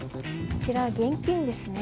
こちら、現金ですね。